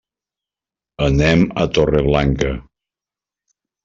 Anem a Torreblanca.